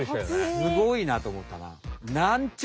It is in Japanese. すごいなとおもったな。